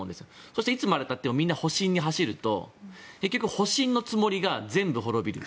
そして、いつまでたってもみんな保身に走ると保身のつもりが全部滅びる。